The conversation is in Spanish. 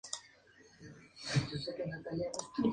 cada uno de los fragmentos que utilizas